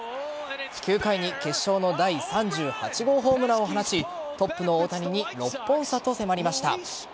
９回に、決勝の第３８号ホームランを放ちトップの大谷に６本差と迫りました。